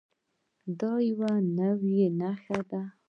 دا د یوې نوعې نښه ده.